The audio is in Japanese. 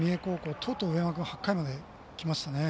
とうとう、上山君８回まできましたね。